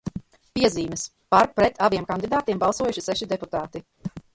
"Piezīmes: "par", "pret" abiem kandidātiem balsojuši seši deputāti."